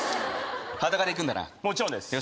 裸で行くんだなもちろんですよ